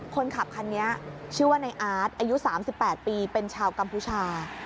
คนขับคันนี้ชื่อว่าในอาร์ตอายุ๓๘ปีเป็นชาวกัมพูชา